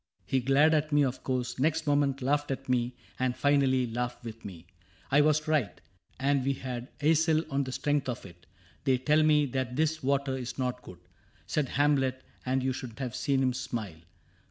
He glared At me, of course, — next moment laughed at me. And finally laughed with me. I was right. And we had eisel on the strength of it :—< They tell me that this water is not good,' Said Hamlet, and you should have seen him smile.